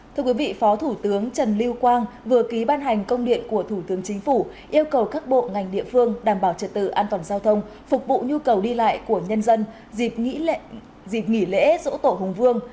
thưa quý vị phó thủ tướng trần lưu quang vừa ký ban hành công điện của thủ tướng chính phủ yêu cầu các bộ ngành địa phương đảm bảo trật tự an toàn giao thông phục vụ nhu cầu đi lại của nhân dân dịp nghỉ lễ dỗ tổ hùng vương